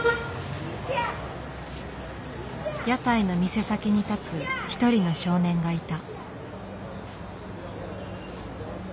屋台の店先に立つ一人の少年がいた。